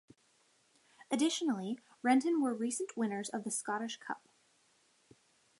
Additionally, Renton were recent winners of the Scottish Cup.